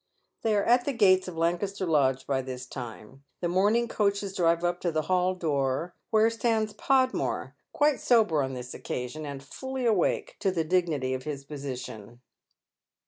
They are at the gates of Lancaster Lodge by this time. Tlie mourning coaches drive up to the hall door, where stands Pod more, quite sober on this occasion, and fully awake to the dignity of his position.